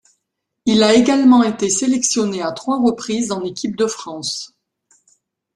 Il a également été sélectionné à trois reprises en équipe de France.